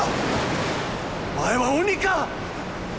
お前は鬼か！？